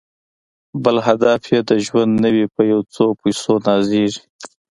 بل هدف یې د ژوند نه وي په یو څو پیسو نازیږي